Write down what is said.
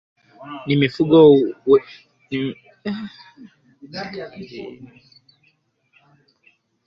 Ni mifugo wepi wengine wanaothirika